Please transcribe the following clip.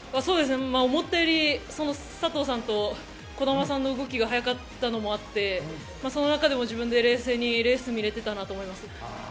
思ったより佐藤さんと児玉さんの動きが早かったのもあって、その中でも自分で冷静にレースを見れてたなと思います。